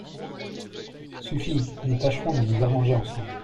Suffit… nous tâcherons de nous arranger ensemble…